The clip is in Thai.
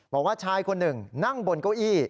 บอกว่าชายคนหนึ่งนั่งบนเก้าอี้